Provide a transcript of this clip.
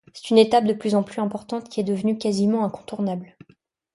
C'est une étape de plus en plus importante qui est devenue quasiment incontournable.